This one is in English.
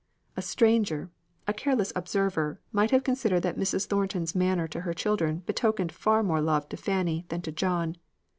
A stranger, a careless observer might have considered that Mrs. Thornton's manner to her children betokened far more love to Fanny than to John.